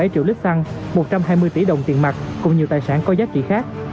bảy triệu lít xăng một trăm hai mươi tỷ đồng tiền mặt cùng nhiều tài sản có giá trị khác